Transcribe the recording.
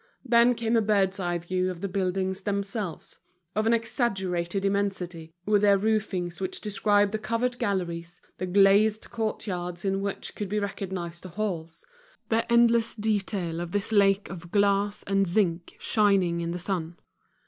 Then came a bird's eye view of the buildings themselves, of an exaggerated immensity, with their roofings which described the covered galleries, the glazed courtyards in which could be recognized the halls, the endless detail of this lake of glass and zinc shining in the sun.